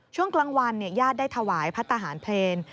ช่วงกลางวันญาติได้ถวายพระทหารเพลง